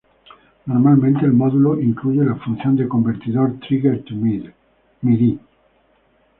Normalmente el módulo incluye la función de convertidor trigger-to-midi.